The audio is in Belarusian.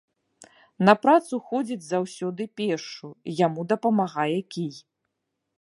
На працу ходзіць заўсёды пешшу, яму дапамагае кій.